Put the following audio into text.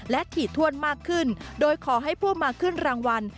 และถี่ถ้วนมากขึ้นโดยขอให้ผู้มาขึ้นรางวัล